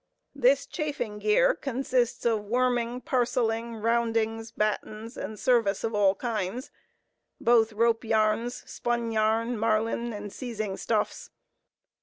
This chafing gear consists of worming, parcelling, roundings, battens, and service of all kinds—both rope yarns, spun yarn, marline, and seizing stuffs.